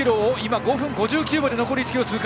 ５分５９秒で残り１ｋｍ通過。